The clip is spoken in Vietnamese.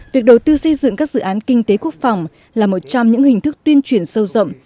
việc đầu tư xây dựng các dự án kinh tế quốc phòng là một trong những hình thức tuyên truyền sâu rộng